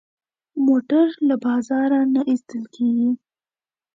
موټر له بازار نه اخېستل کېږي.